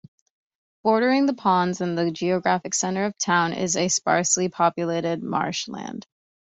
Bordering the ponds, in the geographic center of town, is a sparsely populated marshland.